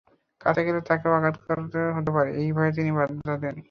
কাছে গেলে তাঁকেও আঘাত করা হতে পারে—এই ভয়ে তিনি বাধা দেননি।